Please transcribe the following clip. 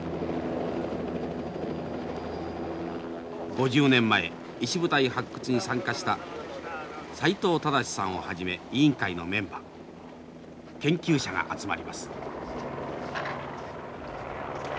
５０年前石舞台発掘に参加した斎藤忠さんをはじめ委員会のメンバー研究者が集まります。